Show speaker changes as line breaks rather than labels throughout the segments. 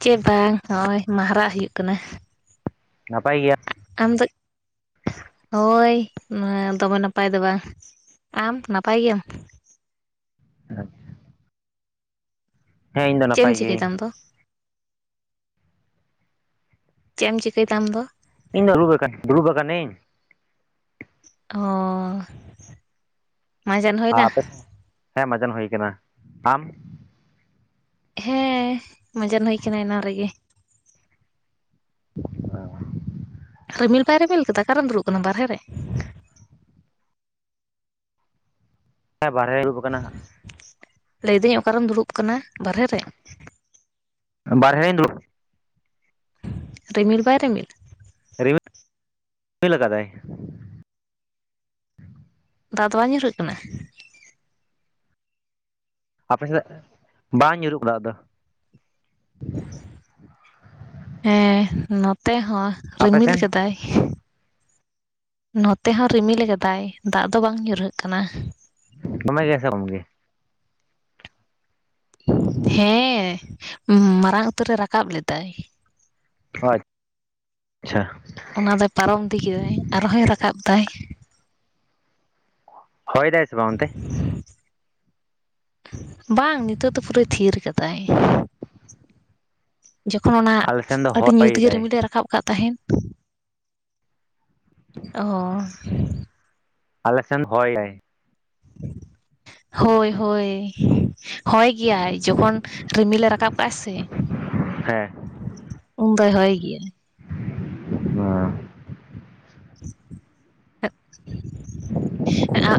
ᱪᱮ ᱵᱟᱝ ᱱᱚᱜᱼᱚᱭ ᱢᱟᱨᱦᱟᱜ ᱦᱩᱭᱩᱜ ᱠᱟᱱᱟ
ᱱᱟᱯᱟᱭ ᱜᱮᱭᱟᱢ
ᱟᱢ ᱫᱚ ᱦᱳᱭ ᱫᱚᱢᱮ ᱱᱟᱯᱟᱭ ᱫᱚ ᱵᱟᱝ ᱾ᱟᱢ ᱱᱟᱯᱟᱭ ᱜᱮᱭᱟᱢ?
ᱦᱮᱸ ᱤᱧ ᱫᱚ
ᱪᱮᱫ ᱮᱢ
ᱱᱟᱯᱟᱭ ᱜᱤᱭᱟᱹᱧ᱾
ᱪᱤᱠᱟᱹᱭᱮᱫᱟ ᱟᱢ ᱫᱚ ᱪᱮᱫ ᱮᱢ ᱪᱤᱠᱟᱹᱭ ᱫᱟ ᱟᱢ ᱫᱚ?
ᱤᱧ ᱫᱚ ᱫᱩᱲᱩᱵ ᱠᱟᱱᱟᱹᱧ
ᱚ ᱢᱟᱡᱟᱱ ᱦᱩᱭᱱᱟ
ᱟᱯᱮ [inaudible] ᱾ᱦᱮᱸ ᱢᱟᱡᱟᱱ ᱦᱩᱭ ᱟᱠᱟᱱᱟ᱾ ᱟᱢ
ᱦᱮᱸ ᱢᱟᱡᱟᱱ ᱦᱩᱭ ᱠᱟᱱᱟ ᱮᱱᱟᱱ ᱨᱮᱜᱮ᱾
ᱵᱟᱝ
ᱨᱤᱢᱤᱞ ᱵᱟᱭ ᱨᱮᱢᱤᱞ ᱠᱟᱫᱟ ᱚᱠᱟᱨᱮᱢ ᱫᱩᱲᱩᱵ ᱟᱠᱟᱱᱟ ᱵᱟᱨᱦᱮ ᱨᱮ
ᱦᱮ ᱵᱟᱨᱦᱮ ᱨᱮ ᱫᱩᱲᱩᱩᱵ ᱟᱠᱟᱱᱟ ᱦᱟᱸᱜ
ᱞᱟᱹᱭ ᱫᱟᱹᱧ ᱚᱠᱟᱨᱮᱢ ᱫᱩᱲᱩᱵ ᱠᱟᱱᱟ ᱵᱟᱨᱦᱮ ᱨᱮ
ᱵᱟᱨᱦᱮ ᱨᱮᱧ ᱫᱩᱲᱩᱵ
ᱨᱤᱢᱤᱞ ᱵᱟᱭ ᱨᱤᱢᱤᱞ
ᱨᱤᱢᱤᱞ ᱟᱠᱟᱫᱟᱭ᱾
ᱫᱟᱜ ᱫᱚ ᱵᱟᱝ ᱧᱩᱨᱩᱜ ᱠᱟᱱᱟ
ᱟᱯᱮ ᱥᱮᱫ? ᱵᱟᱝ ᱧᱩᱨᱩᱜ ᱠᱟᱱᱟ ᱫᱟᱜ ᱫᱚ
ᱦᱮᱸ ᱱᱚᱛᱮ ᱦᱚᱸ
ᱟᱯᱮ
ᱨᱤᱢᱤᱞ
ᱥᱮᱱ
ᱠᱟᱫᱟᱭ ᱱᱚᱛᱮ ᱦᱚᱸ ᱨᱤᱢᱤᱞ ᱠᱟᱫᱟᱭ ᱫᱟᱜ ᱫᱚ ᱵᱟᱝ ᱧᱩᱨᱦᱟᱹᱜ ᱠᱟᱱᱟ
ᱫᱚᱢᱮ ᱜᱮᱥᱮ ᱠᱚᱢ ᱜᱮ
ᱦᱮᱸ ᱢᱟᱨᱟᱝ ᱩᱛᱟᱹᱨ ᱮ ᱨᱟᱠᱟᱵ ᱞᱮᱫᱟᱭ
ᱟᱪᱪᱷᱟ
ᱚᱱᱟ ᱫᱚᱭ ᱯᱟᱨᱚᱢ ᱤᱫᱤ ᱠᱮᱫᱟᱭ ᱟᱨᱦᱚᱸᱭ ᱨᱟᱠᱟᱵ ᱫᱟᱭ
ᱦᱚᱭ ᱫᱟᱭ ᱥᱮ ᱵᱟᱝ ᱚᱱᱛᱮ
ᱵᱟᱝ ᱱᱤᱛᱚᱜ ᱫᱚ ᱯᱩᱨᱟᱹᱭ ᱛᱷᱤᱨ ᱠᱟᱫᱟᱭ ᱡᱚᱠᱷᱚᱱ ᱚᱱᱟ
ᱟᱞᱮ ᱥᱮᱱ ᱫᱚ
ᱟᱹᱰᱤ
ᱦᱚᱭ
ᱧᱩᱛ ᱜᱮ
ᱫᱟᱭ
ᱨᱤᱢᱤᱞ ᱮ ᱨᱟᱠᱟᱵ ᱠᱟᱜ ᱛᱟᱦᱮᱸᱱ ᱚᱦᱚ
ᱟᱞᱥᱮᱱ ᱦᱚᱭ ᱫᱟᱭ [inaudible]
ᱦᱳᱭ ᱦᱳᱭ ᱦᱳᱭ ᱜᱮᱭᱟᱭ ᱡᱚᱠᱷᱚᱱ ᱨᱤᱢᱤᱞᱮ ᱨᱟᱠᱟᱵ ᱠᱟᱜᱼᱟ ᱥᱮ
ᱦᱮᱸ
ᱩᱢ ᱫᱚᱭ ᱦᱚᱭ ᱜᱮᱭᱟ
[unintelligible]
[unintelligible]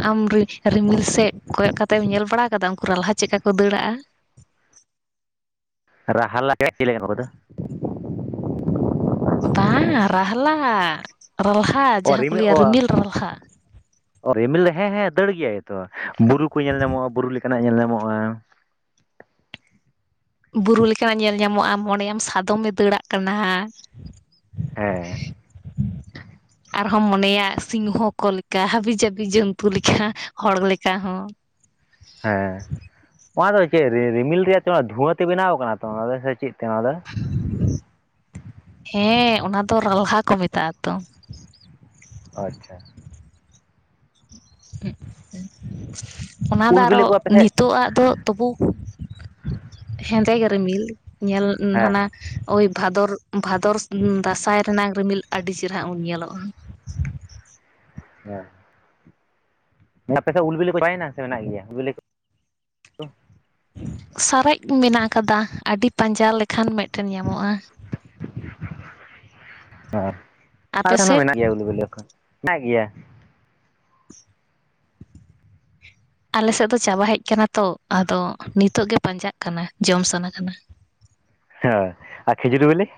ᱟᱢ ᱨᱤᱢᱤᱞ ᱥᱮᱫ ᱠᱚᱭᱚᱜ ᱠᱟᱛᱮᱢ ᱧᱮᱞ ᱵᱟᱲᱟ ᱠᱟᱫᱟ ᱩᱱᱠᱩ ᱨᱟᱞᱦᱟ ᱪᱮᱫᱠᱟ ᱠᱚ ᱫᱟᱹᱲᱟᱜᱼᱟ᱾
ᱨᱟᱦᱟᱞᱟ [unintelligible] ᱪᱮᱞᱮ ᱠᱟᱱᱟ ᱠᱚ ᱱᱩᱠᱩ ᱫᱚ
[unintelligible] ᱵᱟᱝ ᱨᱟᱦᱞᱟ ᱨᱟᱞᱦᱟ ᱡᱟᱦᱟᱸ ᱠᱚ ᱞᱟᱹᱭᱟ ᱨᱤᱢᱤᱞ ᱨᱟᱞᱦᱟ
ᱳ ᱨᱤᱢᱤᱞ ᱦᱮᱸ ᱦᱮᱸ ᱫᱟᱹᱲ ᱜᱮᱭᱟᱭ ᱛᱚ ᱵᱩᱨᱩ ᱠᱚ ᱧᱮᱞ ᱧᱟᱢᱚᱜᱼᱟ ᱵᱩᱨᱩ ᱞᱮᱠᱟᱱᱟᱜ ᱧᱮᱞ ᱧᱟᱢᱚᱜᱼᱟ
ᱵᱩᱨᱩ ᱞᱮᱠᱟᱱᱟᱜ ᱧᱮᱞ ᱧᱟᱢᱚᱜᱼᱟ ᱢᱚᱱᱮᱭᱟᱢ ᱥᱟᱫᱚᱢᱮ ᱫᱟᱹᱲᱟᱜ ᱠᱟᱱᱟ
[inaudible]
ᱟᱨᱦᱚᱸᱢ ᱢᱚᱱᱮᱭᱟ ᱥᱤᱝᱦᱚ ᱠᱚ ᱞᱮᱠᱟ ᱦᱟᱹᱵᱤ ᱡᱟᱹᱵᱤ ᱡᱚᱱᱛᱩ ᱞᱮᱠᱟ ᱦᱚᱲ ᱞᱮᱠᱟ ᱦᱚᱸ
ᱦᱮᱸ ᱱᱚᱣᱟ ᱫᱚ ᱪᱮᱫ ᱨᱤᱢᱤᱞ ᱨᱮᱭᱟᱜ ᱛᱮ ᱫᱷᱩᱣᱟᱹ ᱛᱮ ᱵᱮᱱᱟᱣ ᱠᱟᱱᱟ ᱛᱚ ᱚᱱᱟ ᱪᱮᱫ ᱛᱮ ᱱᱚᱣᱟ ᱫᱚ
[inaudible] ᱦᱮᱸ ᱚᱱᱟ ᱫᱚ ᱨᱟᱞᱦᱟ ᱠᱚ ᱢᱮᱛᱟᱜᱼᱟ ᱛᱚ᱾
ᱟᱪᱪᱷᱟ
[unintelligible] ᱚᱱᱟᱫᱚ
ᱩᱞ
ᱟᱨᱚ
ᱵᱤᱞᱤ ᱠᱚ ᱟᱯᱮ ᱥᱮᱫ
ᱱᱤᱛᱚᱜ-ᱟᱜ ᱫᱚ ᱛᱚᱵᱩ ᱦᱮᱸᱫ ᱜᱮ ᱨᱤᱢᱤᱞ, ᱧᱮᱞ
ᱦᱮᱸ
ᱦᱟᱱᱟ ᱳᱭ ᱵᱷᱟᱫᱚᱨ ᱵᱷᱟᱫᱚᱨ ᱫᱟᱸᱥᱟᱭ ᱨᱮᱱᱟᱜ ᱨᱤᱢᱤᱞ ᱟᱹᱰᱤ ᱪᱮᱨᱦᱨᱟ ᱧᱮᱞᱚᱜᱼᱟ᱾
ᱦᱮᱸ ᱟᱯᱮ ᱥᱮᱫ ᱩᱞ ᱵᱤᱞᱤ ᱠᱚ ᱪᱟᱵᱟᱭᱮᱱᱟ, ᱥᱮ ᱢᱮᱱᱟᱜ ᱜᱮᱭᱟ ᱩᱞ ᱵᱤᱞᱤ ᱠᱚ?
ᱥᱟᱨᱮᱡ ᱢᱮᱱᱟᱜ ᱟᱠᱟᱫᱟ ᱟᱹᱰᱤ ᱯᱟᱸᱡᱟ ᱞᱮᱠᱷᱟᱱ ᱢᱮᱜᱴᱮᱱ ᱧᱟᱢᱚᱜᱼᱟ᱾
[inaudible] ᱚ ᱟᱞᱮ
ᱟᱯᱮ
ᱥᱮᱱ ᱦᱚᱸ
ᱥᱮᱫ
ᱢᱮᱱᱟᱜ ᱜᱮᱭᱟ ᱩᱞ ᱵᱤᱞᱤ ᱮᱠᱷᱚᱱ ᱢᱮᱱᱟᱜ ᱜᱮᱭᱟ᱾
ᱟᱞᱮ ᱥᱮᱫ ᱫᱚ ᱪᱟᱵᱟ ᱦᱮᱡ ᱟᱠᱟᱱᱟ ᱛᱚ, ᱟᱫᱚ ᱱᱤᱛᱚᱜ ᱜᱮ ᱯᱟᱸᱡᱟᱜ ᱠᱟᱱᱟ ᱡᱚᱢ ᱥᱟᱱᱟ ᱠᱟᱱᱟ᱾
ᱦᱮᱸ ᱟᱨ ᱠᱷᱤᱡᱩᱨᱤ ᱵᱮᱞᱮ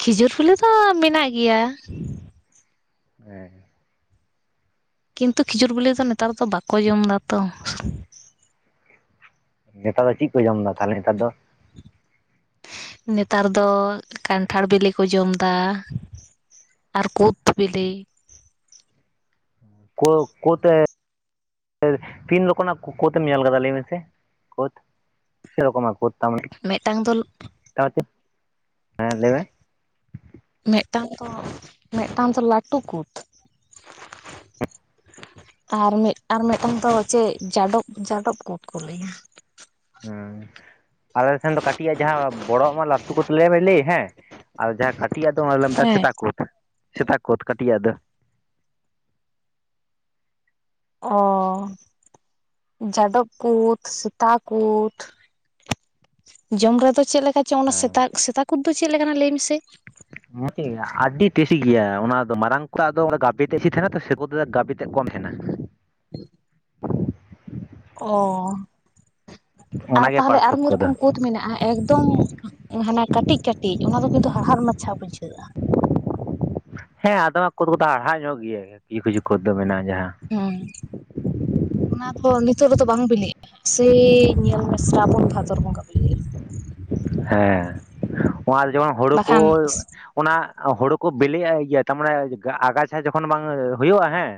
ᱠᱷᱤᱡᱩᱨ ᱵᱤᱞᱤ ᱫᱚ ᱢᱮᱱᱟᱜ ᱜᱮᱭᱟ᱾
ᱦᱮᱸ
ᱠᱤᱱᱛᱩ ᱠᱷᱤᱡᱩᱨ ᱵᱤᱞᱤ ᱫᱚ ᱱᱮᱛᱟᱨ ᱫᱚ ᱵᱟᱠᱚ ᱡᱚᱢ ᱫᱟ ᱛᱚ᱾
ᱱᱮᱛᱟᱨ ᱫᱚ ᱪᱮᱫ ᱠᱚ ᱡᱚᱢ ᱮᱫᱟ ᱛᱟᱦᱞᱮ ᱱᱮᱛᱟᱨ ᱫᱚ?
ᱱᱮᱛᱟᱨ ᱫᱚ ᱠᱟᱱᱴᱷᱟᱲ ᱵᱤᱞᱤ ᱠᱚ ᱡᱚᱢ ᱫᱟ᱾ ᱟᱨ ᱠᱩᱸᱛᱷ ᱵᱤᱞᱤ᱾
ᱠᱩᱸᱛᱷ ᱦᱳᱭ ᱛᱤᱱ ᱨᱚᱠᱚᱢᱱᱟᱜ ᱠᱳᱫᱢ ᱧᱮᱞ ᱟᱠᱟᱫᱟ ᱞᱟᱹᱭ ᱢᱮᱥᱮ? ᱠᱳᱫ, ᱯᱮ ᱨᱚᱠᱚᱢᱟ [unintelligible] ᱛᱟᱨᱢᱟᱱᱮ
ᱢᱤᱫᱴᱟᱝ ᱫᱚ
[unintelligible] ᱦᱮᱸ ᱞᱟᱹᱭ ᱢᱮ
ᱢᱤᱫᱴᱟᱝ ᱫᱚ ᱢᱤᱫᱴᱟᱝ ᱫᱚ ᱞᱟᱹᱴᱩ ᱠᱩᱫ᱾ ᱟᱨ ᱢᱮᱫ ᱟᱨ ᱢᱮᱴᱟᱝ ᱫᱚ ᱪᱮᱫ ᱡᱟᱰᱚᱵ ᱡᱟᱰᱚᱵ ᱠᱩᱫ ᱠᱚ ᱞᱟᱹᱭᱟ᱾
ᱦᱩᱸ ᱟᱞᱮ ᱥᱮᱱ ᱫᱚ ᱠᱟᱹᱴᱤᱡ ᱟᱜ ᱡᱟᱦᱟᱸ ᱵᱚᱲᱚᱜ ᱢᱟ ᱞᱟᱹᱴᱩ ᱠᱚ ᱛ ᱞᱟᱹᱭᱢ ᱞᱟᱹᱭ ᱦᱮᱸ ᱟᱨ ᱡᱟᱦᱟᱸ ᱠᱟᱹᱴᱤᱡ ᱟ ᱫᱚ ᱚᱱᱟ ᱞᱚᱢᱢᱟ
ᱦᱮᱸ
ᱥᱮᱛᱟ ᱠᱳᱫ, ᱥᱮᱛᱟ ᱠᱳᱫ ᱠᱟᱹᱴᱤᱡ ᱟᱜ ᱫᱚ
ᱚ ᱡᱟᱰᱚᱵ ᱠᱩᱫ ᱥᱮᱛᱟ ᱠᱩᱫ ᱡᱚᱢ ᱨᱮᱫᱚ ᱪᱮᱫ ᱞᱮᱠᱟ ᱪᱚᱝ? ᱚᱱᱟ
ᱦᱮᱸ
ᱥᱮᱛᱟ ᱥᱮᱛᱟ ᱠᱩᱫ ᱫᱚ ᱪᱮᱫ ᱞᱮᱠᱟᱱᱟ ᱞᱟᱹᱭ ᱢᱮᱥᱮ?
[unintelligible] ᱟᱹᱰᱤ ᱴᱮᱥᱤ ᱜᱮᱭᱟ ᱚᱱᱟ ᱢᱟᱨᱟᱝ ᱴᱟᱝ ᱠᱚᱫᱚ ᱜᱟᱵᱮ [unintelligible] ᱛᱟᱦᱮᱱᱟ ᱛᱚ ᱥᱮᱠᱩ ᱜᱟᱵᱮ [unintelligible] ᱠᱚᱢ ᱛᱟᱦᱮᱱᱟ
[inaudible] ᱚ ᱟᱨ
ᱚᱱᱟᱜᱮ
ᱛᱟᱦᱚᱞᱮ ᱟᱨ ᱢᱤᱫ
ᱯᱟᱨᱛᱷᱚᱠᱠᱚ ᱫᱚ
ᱨᱚᱠᱚᱢ ᱠᱩᱫ ᱢᱮᱱᱟᱜᱼᱟ ᱮᱠᱫᱚᱢ ᱦᱟᱱᱟ ᱠᱟᱹᱴᱤᱡᱼᱠᱟᱹᱴᱤᱡ ᱚᱱᱟ ᱫᱚ ᱠᱤᱱᱛᱩ ᱦᱟᱲᱦᱟᱫ ᱢᱟᱪᱷᱟ ᱵᱩᱡᱷᱟᱹᱜᱼᱟ
ᱦᱮᱸ ᱟᱫᱚᱢ ᱠᱩᱫ ᱠᱚᱫᱚ ᱦᱟᱲᱦᱟ ᱧᱚᱜ ᱜᱮᱭᱟ ᱠᱤᱪᱷᱩ ᱠᱤᱪᱷᱩ ᱠᱷᱚᱫ ᱫᱚ ᱢᱮᱱᱟᱜᱼᱟ ᱡᱟᱦᱟᱸ
ᱦᱮᱸ ᱚᱱᱟ ᱫᱚ ᱱᱤᱛᱚᱜ ᱨᱮᱫᱚ ᱵᱟᱝ ᱵᱤᱞᱤᱜᱼᱟ᱾ ᱥᱮ ᱧᱮᱞ ᱢᱮ ᱥᱨᱟᱵᱚᱱ ᱵᱷᱟᱫᱚᱨ ᱵᱚᱸᱜᱟ ᱠᱚ ᱞᱟᱹᱭᱟ
ᱦᱮᱸ ᱚᱱᱟ ᱫᱚ ᱡᱮᱢᱚᱱ ᱦᱩᱲᱩ ᱠᱚ
ᱵᱟᱠᱷᱟᱱ
ᱚᱱᱟ ᱦᱩᱲᱩ ᱠᱚ ᱵᱤᱞᱤᱜᱼᱟ ᱤᱭᱟᱹ ᱛᱟᱨᱢᱟᱱᱮ ᱟᱜᱟᱪᱷᱟ ᱡᱚᱠᱷᱚᱱ ᱵᱟᱝ ᱦᱩᱭᱩᱜᱼᱟ ᱦᱮᱸ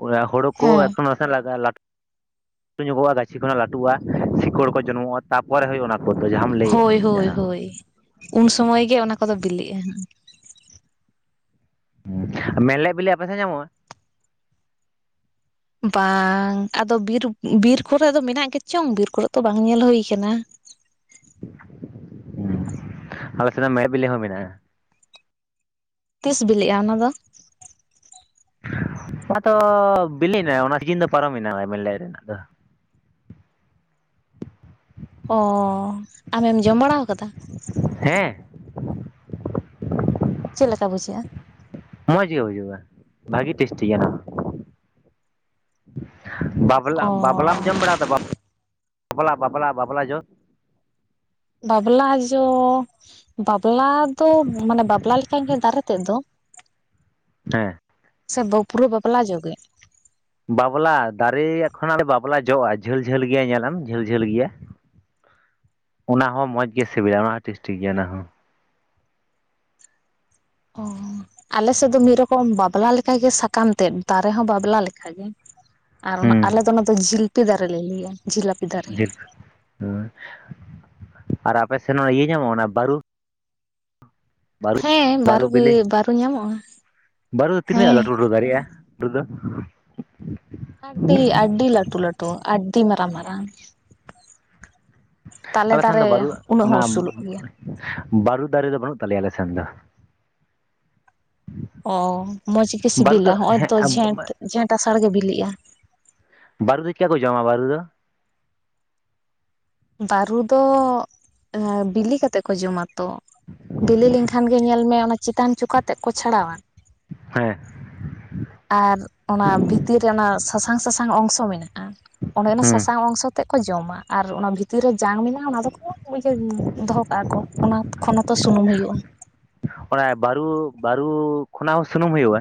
[unintelligible] ᱦᱩᱲᱩ ᱠᱚ
ᱦᱮᱸ
ᱮᱛᱚ ᱱᱟᱥᱮ ᱞᱟᱜᱟ ᱞᱟᱴ ᱞᱟᱹᱩ ᱧᱚᱜᱚᱜᱼᱟ ᱜᱟᱹᱪᱷᱤ ᱠᱷᱚᱱᱟᱜ ᱞᱟᱹᱴᱩᱜᱼᱟ ᱥᱤᱠᱚᱲ ᱠᱚ ᱡᱚᱱᱢᱚᱜᱼᱟ ᱛᱟᱯᱚᱨᱮ ᱦᱩᱭᱩᱜ ᱚᱱᱟ ᱠᱚᱫ ᱫᱚ
ᱦᱳᱭ ᱦᱳᱭ ᱦᱳᱭ ᱩᱱ ᱥᱩᱢᱚᱭ ᱜᱮ ᱚᱱᱟ ᱠᱚᱫᱚ ᱵᱤᱞᱤᱜᱼᱟ᱾
ᱟᱨ ᱢᱮᱞᱞᱮ ᱵᱤᱞᱤ ᱟᱯᱮᱥᱮ ᱧᱟᱢᱚᱜᱼᱟ
ᱵᱟᱝ ᱟᱫᱚ ᱵᱤᱨ ᱵᱤᱨ ᱠᱚᱨᱮ ᱫᱚ ᱢᱮᱱᱟᱜ ᱜᱮᱪᱚᱝ ᱵᱤᱨ ᱠᱚᱨᱮ ᱫᱚ ᱵᱟᱝ ᱧᱮᱞ ᱦᱩᱭ ᱟᱠᱟᱱᱟ᱾
ᱦᱩᱸ ᱟᱞᱮ ᱥᱮᱱᱟᱜ ᱢᱮᱞᱨᱡ ᱵᱤᱞᱤ ᱦᱚᱸ ᱢᱮᱱᱟᱜᱼᱟ᱾
ᱛᱤᱥ ᱵᱤᱞᱤᱜᱼᱟ ᱚᱱᱟᱫᱚ?
ᱚᱱᱟᱛᱚ ᱵᱤᱞᱤ ᱦᱮᱱᱟ ᱚᱱᱟ ᱥᱤᱠᱤᱱ ᱫᱚ ᱯᱟᱨᱚᱢ ᱮᱱᱟ ᱡᱮᱨᱞᱮ ᱨᱮᱱᱟᱜ ᱫᱚ᱾
ᱚᱻ ᱟᱢᱮᱢ ᱡᱚᱢ ᱵᱟᱲᱟᱣ ᱟᱠᱟᱫᱟ
ᱦᱮᱸ
ᱪᱮᱫ ᱞᱮᱠᱟ ᱵᱩᱡᱷᱟᱹᱜᱼᱟ
ᱢᱚᱡᱽ ᱜᱮ ᱦᱩᱭᱩᱜᱼᱟ ᱵᱷᱟᱜᱮ ᱴᱮᱥᱴᱤᱭᱟ ᱵᱟᱵᱞᱟ
ᱚ
ᱵᱟᱵᱞᱟᱢ ᱡᱚᱢ ᱵᱟᱲᱟᱫᱟ ᱵᱟᱵᱞᱟ ᱵᱟᱵᱞᱟ ᱵᱟᱵᱞᱟ ᱡᱚ
ᱵᱟᱵᱞᱟ ᱡᱚ ᱵᱟᱵᱞᱟ ᱫᱚ ᱢᱟᱱᱮ ᱵᱟᱵᱞᱟ ᱞᱮᱠᱟ ᱜᱮ ᱫᱟᱨᱮ ᱛᱮᱫ ᱫᱚ
ᱦᱮᱸ
ᱥᱮ ᱵᱟᱹ ᱯᱩᱨᱟᱹ ᱵᱟᱵᱞᱟ ᱡᱚᱜᱮ
ᱵᱟᱵᱞᱟ ᱫᱟᱨᱮᱠᱷᱚ ᱵᱟᱵᱞᱟ ᱡᱚᱜᱼᱟ ᱡᱷᱟᱹᱞ ᱡᱷᱟᱹᱞ ᱜᱮᱭᱟ ᱧᱮᱞᱞᱟᱢ ᱡᱷᱟᱹᱞ ᱡᱷᱟᱹᱞ ᱜᱮᱭᱟ ᱚᱱᱟ ᱦᱚᱸ ᱢᱚᱸᱡᱽ ᱜᱮ ᱥᱤᱵᱤᱞᱟ ᱚᱱᱟ ᱦᱚᱸ ᱴᱮᱥᱴᱤ ᱜᱮᱭᱟ ᱚᱱᱟ ᱦᱚᱸ
ᱚᱦᱚ ᱟᱞᱮᱥᱮᱫ ᱫᱚ ᱢᱤᱫ ᱨᱚᱠᱚᱢ ᱵᱟᱵᱞᱟ ᱞᱮᱠᱟᱜᱮ ᱥᱟᱠᱟᱢ ᱛᱮᱫ ᱫᱟᱨᱮ ᱦᱚᱸ ᱵᱟᱵᱞᱟ ᱞᱮᱠᱟᱜᱮ ᱟᱨ
ᱦᱩᱸ
ᱟᱞᱮ ᱫᱚ ᱱᱚᱛᱮ ᱫᱚ ᱡᱷᱤᱞᱯᱤ ᱫᱟᱨᱮ ᱞᱮ ᱞᱟᱹᱭᱟ ᱡᱷᱤᱞᱟᱯ
ᱡᱤᱞᱯ ᱦᱩᱸ ᱟᱨ ᱟᱯᱮ ᱥᱮᱱ ᱚᱱᱟ ᱤᱭᱟᱹ ᱧᱟᱢᱚᱜᱼᱟ ᱚᱱᱟ ᱵᱟᱹᱨᱩ ᱵᱟᱨᱩᱡ
ᱦᱮᱸ
ᱵᱟᱨᱩ ᱵᱮᱞᱮ
ᱵᱟᱹᱨᱩ ᱧᱟᱢᱚᱜᱼᱟ
ᱵᱟᱨᱩ ᱫᱚ ᱛᱤᱱᱟᱜ
ᱦᱮᱸ
ᱞᱟᱹᱴᱩ [unintelligible] ᱫᱚ
ᱟᱹᱰᱤ ᱟᱹᱰᱤ ᱞᱟᱹᱴᱩ ᱞᱟᱹᱴᱩᱣᱟ ᱟᱹᱰᱤ ᱢᱟᱨᱟᱝ ᱢᱟᱨᱟᱝ ᱛᱟᱞᱮ
ᱟᱞᱮ ᱥᱮᱱ ᱫᱚ
ᱫᱟᱨᱮ
ᱵᱟᱹᱨᱩ
ᱩᱱᱟᱹᱜ
ᱚᱱᱟ
ᱦᱚᱸ ᱩᱥᱩᱞᱚᱜ ᱜᱮᱭᱟ᱾
ᱵᱟᱹᱨᱩ ᱫᱟᱨᱮ ᱫᱚ ᱵᱟᱹᱱᱩᱜ ᱛᱟᱞᱮᱭᱟ ᱟᱞᱮ ᱥᱮᱱ ᱫᱚ
ᱚ ᱢᱚᱸᱡᱽ ᱜᱮ
ᱵᱟᱹᱨᱩ
ᱥᱤᱵᱤᱞᱟ
ᱫᱚ
ᱦᱚᱜ ᱚᱭ
ᱦᱮᱸ
ᱛᱚ ᱡᱷᱮᱸᱴ ᱡᱷᱮᱸᱴ ᱟᱥᱟᱲ ᱜᱮ ᱵᱤᱞᱤᱜᱼᱟ᱾
ᱵᱟᱹᱨᱩ ᱫᱚ ᱪᱤᱠᱟ ᱠᱚ ᱡᱚᱢᱟ ᱵᱟᱨᱩ ᱫᱚ
ᱵᱟᱹᱨᱩ ᱫᱚ ᱵᱤᱞᱤ ᱠᱟᱛᱮᱮᱫ ᱠᱚ ᱡᱚᱢᱟ ᱛᱚ ᱵᱤᱞᱤ ᱞᱮᱱᱠᱷᱟᱱ ᱜᱮ ᱧᱮᱞ ᱢᱮ ᱚᱱᱟ ᱪᱮᱛᱟᱱ ᱪᱚᱠᱟ ᱛᱮᱫ ᱠᱚ ᱪᱷᱟᱲᱟᱣᱟ
ᱦᱮᱸ
ᱟᱨ ᱚᱱᱟ ᱵᱷᱤᱛᱤᱨ ᱨᱮ ᱚᱱᱟ ᱥᱟᱥᱟᱝ ᱥᱟᱥᱟᱝ ᱚᱝᱥᱚ ᱢᱮᱱᱟᱜᱼᱟ᱾ ᱚᱸᱰᱮ ᱚᱱᱟ
ᱦᱩᱸ
ᱥᱟᱥᱟᱝ ᱚᱝᱥᱚ ᱛᱮᱮᱫ ᱠᱚ ᱡᱚᱢᱟ ᱟᱨ ᱚᱱᱟ ᱵᱷᱤᱛᱤᱨ ᱨᱮ ᱡᱟᱝ ᱢᱮᱱᱟᱜᱼᱟ ᱚᱱᱟ ᱫᱚᱠᱚ [unintelligible] ᱫᱚᱦᱚ ᱠᱟᱜᱼᱟ ᱠᱚ ᱚᱱᱟ ᱠᱷᱚᱱ ᱦᱚᱛᱚ ᱥᱩᱱᱩᱢ ᱦᱩᱭᱩᱜᱼᱟ᱾
ᱚᱱᱟ ᱵᱟᱨᱩ ᱵᱟᱨᱩ ᱠᱷᱚᱱᱟᱜ ᱦᱚᱸ ᱥᱩᱱᱩᱢ ᱦᱩᱭᱩᱜᱼᱟ?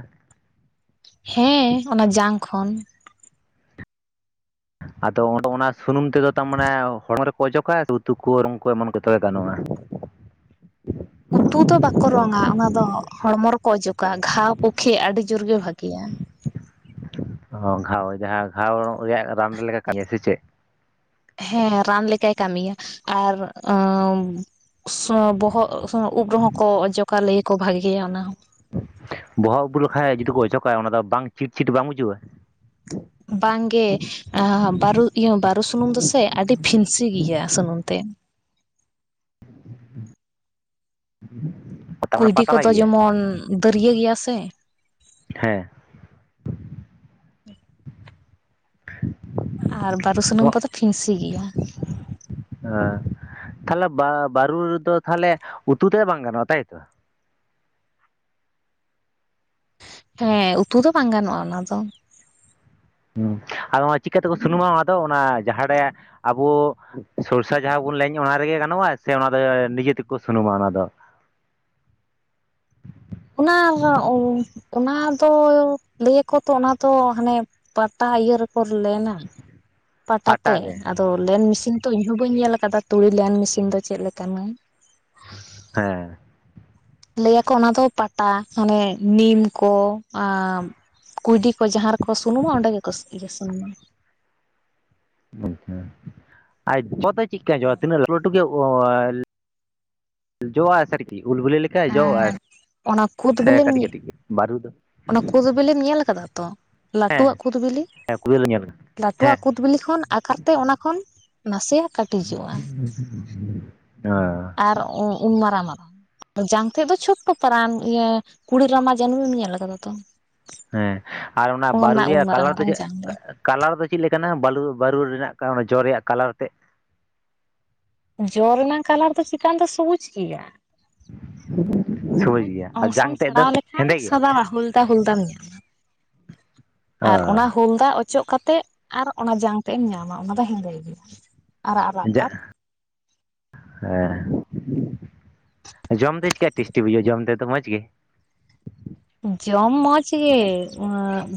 ᱦᱮᱸ ᱚᱱᱟ ᱡᱟᱝ ᱠᱷᱚᱱ
ᱟᱫᱚ ᱚᱸ ᱚᱱᱟ ᱥᱩᱱᱩᱢ ᱛᱮᱫᱚ ᱛᱟᱨᱢᱟᱱᱮ ᱦᱚᱲᱢᱚ ᱨᱮ ᱚᱡᱚᱜᱟᱜ ᱩᱛᱩ ᱠᱚ ᱚᱨᱚᱝ ᱠᱚ ᱮᱢᱚᱱ ᱠᱚᱛᱚᱵᱮ ᱜᱟᱱᱚᱜᱼᱟ?
ᱩᱛᱩ ᱫᱚ ᱵᱟᱠᱚ ᱨᱚᱝᱟ ᱚᱱᱟ ᱫᱚ ᱦᱚᱲᱢᱚ ᱨᱮᱠᱚ ᱚᱡᱚᱜᱟ ᱜᱷᱟᱣ ᱯᱩᱠᱷᱮ ᱟᱹᱰᱤ ᱡᱳᱨ ᱵᱷᱟᱹᱜᱮᱭᱟ ᱾
ᱚ ᱜᱷᱟᱣ ᱡᱟᱦᱟᱸ ᱜᱷᱟᱣ ᱨᱮᱭᱟᱜ ᱨᱟᱱ ᱞᱮᱠᱟ ᱠᱟᱹᱢᱤᱭᱟ ᱥᱮ ᱪᱮᱫ
ᱦᱮᱸ ᱨᱟᱱ ᱞᱮᱠᱟᱭ ᱠᱟᱹᱢᱤᱭᱟ ᱟᱨ ᱵᱚᱦᱚᱜ ᱩᱵ ᱨᱮᱦᱚᱸ ᱠᱚ ᱚᱡᱚᱜᱟ ᱞᱟᱹᱭᱭᱟᱠᱚ ᱵᱷᱟᱜᱤᱭᱟ ᱚᱱᱟ ᱦᱚᱸ
ᱵᱚᱦᱚᱜ ᱩᱵᱩ ᱞᱮᱠᱷᱟᱡ ᱡᱩᱫᱤ ᱠᱚ ᱚᱪᱚᱜ ᱠᱟᱜᱼᱟ ᱚᱱᱟ ᱫᱚ ᱵᱟᱝ ᱪᱤᱴᱪᱷᱤᱴ ᱵᱟᱝ ᱵᱩᱡᱩᱜᱼᱟ?
ᱵᱟᱝᱜᱮ ᱵᱟᱨᱩ ᱤᱭᱟᱹ ᱵᱟᱨᱩ ᱥᱩᱱᱩᱢ ᱫᱚᱥᱮ ᱟᱹᱰᱤ ᱯᱷᱤᱱᱥᱤ ᱜᱮᱭᱟ ᱥᱩᱱᱩᱢ ᱛᱮ
[inaudible]
ᱠᱩᱭᱰᱤ ᱠᱚᱫᱚ
ᱜᱮᱭᱟ
ᱡᱮᱢᱚᱱ ᱫᱟᱹᱨᱭᱟᱹ ᱜᱮᱭᱟ ᱥᱮ
ᱦᱮᱸ
[inaudible] ᱟᱨ ᱵᱟᱹᱨᱩ ᱥᱩᱱᱩᱢ ᱠᱚᱫᱚ ᱯᱷᱝᱥᱤ ᱜᱮᱭᱟ᱾
ᱟ ᱛᱟᱦᱚᱞᱮ ᱵᱟᱹᱨᱩ ᱨᱮᱫᱚ ᱛᱟᱦᱚᱞᱮ ᱩᱛᱩ ᱛᱮᱫᱚ ᱵᱟᱝ ᱜᱟᱱᱚᱜᱼᱟ ᱛᱟᱭᱛᱚ
ᱦᱮᱸ ᱩᱛᱩ ᱫᱚ ᱵᱟᱝ ᱜᱟᱱᱚᱜᱼᱟ ᱚᱱᱟ ᱫᱚ᱾
ᱦᱮᱸ ᱟᱫᱚ ᱪᱤᱠᱟᱹᱛᱮᱠᱚ ᱥᱩᱱᱩᱢᱟ ᱟᱫᱚ ᱚᱱᱟ ᱡᱟᱦᱟᱸᱨᱮ ᱟᱵᱚ ᱥᱚᱨᱥᱟ ᱡᱟᱦᱟᱸ ᱵᱚᱱ ᱞᱮᱭ ᱚᱱᱟ ᱨᱮᱜᱮ ᱜᱟᱱᱚᱜᱼᱟ ᱥᱮ ᱚᱱᱟ ᱫᱚ ᱱᱤᱡᱮ ᱛᱮᱠᱚ ᱥᱩᱱᱩᱢᱟ ᱚᱱᱟ ᱫᱚ
ᱚᱱᱟ ᱚᱱᱟ ᱫᱚ ᱞᱟᱹᱭ ᱟᱠᱚ ᱛᱚ ᱚᱱᱟ ᱫᱚ ᱦᱟᱱᱮ ᱯᱟᱴᱟ ᱤᱭᱟᱹ ᱨᱮᱠᱚ ᱞᱮᱱᱟ
[inaudible]
ᱯᱟᱴᱟᱛᱮ
ᱨᱮ
ᱟᱫᱚ ᱞᱮᱱᱰ ᱢᱮᱥᱤᱱ ᱛᱚ ᱤᱧᱦᱚ ᱵᱟᱹᱧ ᱧᱮᱞ ᱟᱠᱟᱫᱟ ᱛᱩᱲᱤ ᱞᱮᱱᱰ ᱢᱮᱥᱤᱱ ᱫᱚ ᱪᱮᱫ ᱞᱮᱠᱟᱱᱟ
ᱦᱮᱸ
ᱞᱟᱹᱭᱟᱠᱚ ᱚᱱᱟ ᱫᱚ ᱯᱟᱴᱟ ᱢᱟᱱᱮ ᱱᱤᱢ ᱠᱚ ᱟ ᱠᱩᱭᱰᱤ ᱠᱚ ᱡᱟᱦᱟᱸ ᱨᱮᱠᱚ ᱥᱩᱱᱩᱢᱟ ᱚᱸᱰᱮ ᱜᱮᱠᱚ ᱤᱭᱟᱹ ᱥᱩᱱᱩᱢᱟ᱾
ᱟᱪᱪᱷᱟ ᱟᱨ ᱡᱚ ᱛᱚ ᱪᱮᱫᱠᱟ ᱡᱚᱜᱼᱟ ᱛᱤᱱᱟᱹᱜ ᱞᱟᱹᱴᱩ ᱞᱟᱹᱴᱩ ᱜᱮ ᱡᱚᱼᱟ ᱩᱞ ᱵᱩᱞᱤ ᱞᱮᱠᱟ ᱡᱚᱜᱟ
ᱟᱨ ᱚᱱᱟ ᱠᱩᱫ
ᱥᱮ
ᱵᱤᱞᱤᱢ
ᱠᱟᱹᱴᱤᱡ ᱠᱟᱹᱴᱤᱡ ᱜᱮ ᱵᱟᱹᱨᱩ ᱫᱚ
ᱚᱱᱟ ᱠᱩᱫ ᱵᱤᱞᱤᱢ ᱧᱮᱞ ᱟᱠᱟᱫᱟ ᱛᱚ ᱞᱟᱹᱴᱩᱣᱟᱜ
ᱦᱮᱸ
ᱠᱩᱫ ᱵᱤᱞᱤ
ᱦᱮᱸ ᱠᱩᱭᱟᱹᱞᱮ ᱧᱮᱞ ᱠᱟᱫᱟ
ᱞᱟᱹᱴᱩᱣᱟᱜ
ᱦᱮᱸ
ᱠᱩᱫ ᱠᱩᱫ ᱵᱤᱞᱤ ᱠᱷᱚᱱ ᱟᱠᱟᱨ ᱛᱮ ᱚᱱᱟ ᱠᱷᱚᱱ ᱱᱟᱥᱮᱭᱟᱜ ᱠᱟᱹᱴᱤᱡᱚᱜᱼᱟ
ᱚ
ᱟᱨ ᱩᱱ ᱢᱟᱨᱟᱝ ᱢᱟᱨᱟᱝ ᱡᱟᱝ ᱛᱮᱫ ᱫᱚ ᱪᱷᱳᱴᱴ ᱯᱟᱨᱟᱱ ᱤᱭᱟᱹ ᱠᱩᱲᱤᱡ ᱨᱟᱢᱟ ᱡᱟᱹᱱᱩᱢ ᱮᱢ ᱧᱮᱞ ᱠᱟᱫᱟ ᱛᱚ
ᱦᱮᱸ ᱟᱨ ᱚᱱᱟ ᱵᱟᱹᱨᱩ
ᱩᱱ
ᱨᱮᱭᱟᱜ
ᱢᱟᱨᱟᱝ
ᱠᱟᱞᱟᱨ ᱫᱚ
ᱢᱟᱨᱟᱝ
ᱪᱮᱫ
ᱡᱟᱝ
ᱠᱟᱞᱟᱨ ᱫᱚ ᱪᱮᱫ ᱞᱮᱠᱟᱱᱟ ᱵᱟᱞᱩ ᱵᱟᱹᱨᱩ ᱨᱮᱱᱟᱜ ᱚᱱᱮ ᱡᱚ ᱨᱮᱭᱟᱜ ᱠᱟᱞᱟᱨ ᱛᱮᱫ
ᱡᱚ ᱨᱮᱱᱟᱜ ᱠᱟᱞᱟᱨ ᱫᱚ ᱪᱮᱛᱟᱱ ᱫᱚ ᱥᱚᱵᱩᱡ ᱜᱮᱭᱟ᱾
[unintelligible]
ᱥᱚᱵᱩᱡ
ᱜᱮᱭᱟ ᱟᱨ
ᱚᱝᱥᱚᱢ
ᱡᱟᱝ ᱛᱮᱫ ᱫᱚ
ᱪᱷᱟᱲᱟᱣ ᱞᱮᱠᱷᱟᱱ
ᱦᱮᱸᱫᱮ ᱜᱮ
ᱥᱟᱫᱟ ᱦᱩᱞ‌ ᱼᱼ ᱫᱟ ᱦᱩᱞᱫᱟᱢ ᱧᱟᱢᱟ
ᱚ
ᱟᱨ ᱚᱱᱟ ᱦᱩᱞᱫᱟ ᱚᱪᱚᱜ ᱠᱟᱛᱮᱫ ᱟᱨ ᱚᱱᱟ ᱡᱟᱝ ᱛᱮ ᱮᱢ ᱧᱟᱢᱟ ᱚᱱᱟ ᱫᱚ ᱦᱮᱸᱫᱮ ᱜᱮᱭᱟ ᱟᱨᱟᱜ ᱟᱨᱟᱜ
ᱡᱟ
ᱵᱷᱟᱵ
ᱦᱮᱸ ᱡᱚᱢ ᱫᱚ ᱪᱮᱠᱟ ᱴᱮᱥᱴᱤ ᱵᱩᱡᱷᱟᱹᱜᱼᱟ ᱡᱚᱢ ᱛᱮᱫᱚ ᱢᱚᱡᱽ ᱜᱮ
ᱡᱚᱢ ᱢᱚᱸᱪ ᱜᱮ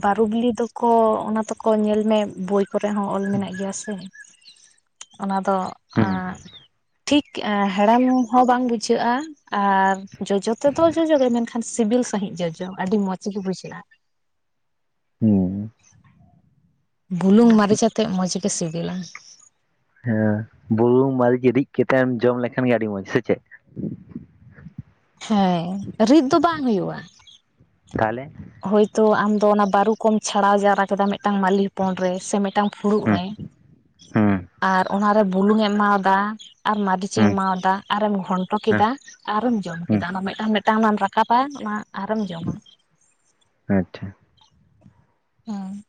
ᱵᱟᱨᱩ ᱵᱤᱞᱤ ᱫᱚᱠᱚ ᱚᱱᱟ ᱫᱚᱠᱚ ᱧᱮᱞᱢᱮ ᱵᱳᱭ ᱠᱚᱨᱮ ᱦᱚᱸ ᱚᱞ ᱢᱮᱱᱟᱜ ᱜᱮᱭᱟ ᱥᱮ ᱚᱱᱟ ᱫᱚ ᱟᱸ
ᱦᱩᱸ
ᱴᱷᱤᱠ ᱦᱮᱟᱲᱮᱟᱢ ᱦᱚᱸ ᱵᱟᱝ ᱵᱩᱡᱷᱟᱹᱜᱼᱟ ᱟᱨ ᱡᱚᱡᱚ ᱛᱮᱫᱚ ᱡᱚᱡᱚᱜᱮ ᱢᱮᱱᱠᱷᱟᱱ ᱮᱱᱠᱷᱟᱱ ᱥᱤᱵᱤᱞ ᱥᱟᱺᱦᱤᱡ ᱡᱚᱡᱚ ᱟᱹᱰᱤ ᱢᱚᱸᱡᱽ ᱜᱮ ᱵᱩᱡᱷᱟᱹᱜᱼᱟ᱾
ᱦᱩᱸ
ᱵᱩᱞᱩᱝ ᱢᱟᱹᱨᱤᱪ ᱟᱛᱮᱜ ᱢᱚᱸᱡᱽ ᱜᱮ ᱥᱤᱵᱤᱞᱟ
ᱦᱮᱸ ᱵᱩᱨᱩᱝ ᱢᱟᱹᱨᱤᱪ ᱨᱤᱫ ᱠᱟᱛᱮᱢ ᱡᱚᱢ ᱞᱮᱠᱷᱟᱱ ᱜᱮ ᱟᱹᱰᱤ ᱢᱚᱸᱡᱽ ᱥᱮ ᱪᱮᱫ
ᱦᱮᱸ ᱨᱤᱫ ᱫᱚ ᱵᱟᱝ ᱦᱩᱭᱩᱜᱼᱟ᱾
ᱛᱟᱦᱚᱞᱮ
ᱦᱳᱭᱛᱚ ᱟᱢᱫᱚ ᱚᱱᱟ ᱵᱟᱹᱨᱩ ᱠᱚᱢ ᱪᱷᱟᱲᱟᱣ ᱡᱟᱣᱨᱟ ᱠᱮᱫᱟ ᱢᱤᱫᱴᱟᱝ ᱢᱟᱹᱞᱤ ᱦᱚᱯᱚᱱ ᱨᱮ ᱥᱮ ᱢᱤᱫᱴᱟᱝ ᱯᱷᱩᱲᱩᱜ ᱨᱮ᱾
[inaudible]
ᱟᱨ ᱚᱱᱟᱨᱮ ᱵᱩᱞᱩᱝ ᱮᱢ ᱮᱢᱟᱣᱟᱫᱟ ᱟᱨ ᱢᱟᱨᱟᱹᱨᱤᱪᱮᱢ
ᱦᱩᱸ
ᱮᱢᱟᱣᱟᱫᱟ ᱟᱨᱮᱢ ᱜᱷᱚᱱᱴᱚ
ᱦᱩᱸ
ᱠᱮᱫᱟ ᱟᱨᱮᱢ ᱡᱚᱢ ᱠᱮᱫᱟ
ᱦᱩᱸ
ᱚᱱᱟ ᱢᱤᱫᱟᱝ ᱢᱮᱫ ᱼᱼ ᱛᱟᱱᱟᱢ ᱨᱟᱠᱟᱵᱟ ᱚᱱᱟ ᱟᱨᱮᱢ ᱡᱚᱢᱟ
ᱟᱪᱪᱷᱟ
ᱦᱮᱸ